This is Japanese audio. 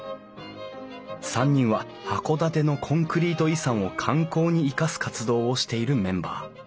３人は函館のコンクリート遺産を観光に生かす活動をしているメンバー。